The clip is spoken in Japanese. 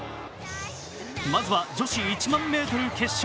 まずは女子１００００ｍ決勝。